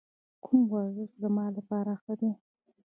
کوم ورزش زما لپاره ښه دی؟